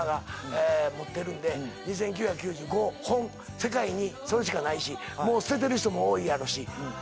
世界にそれしかないしもう捨ててる人も多いやろし。